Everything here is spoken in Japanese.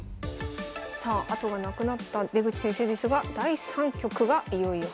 さあ後がなくなった出口先生ですが第３局がいよいよ始まりました。